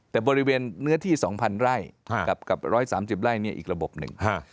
แต่บริเวณเนื้อที่๒๐๐ไร่กับ๑๓๐ไร่เนี่ยอีกระบบหนึ่ง